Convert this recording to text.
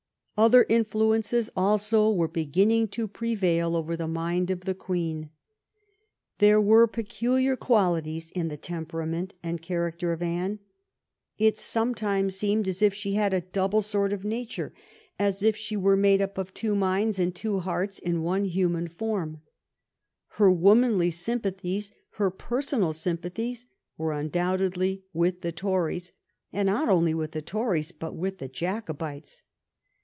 Other influences also were beginning to prevail over the mind of the Queen. There were peculiar qualities in the temperament and character of Anne. It some times seems as if she had a double sort of nature — as if she were made up of two minds and two hearts in the one human form. Her womanly sympathies, her personal sympathies, were undoubtedly with the Tories, and not only with the Tories but with the Jacobites.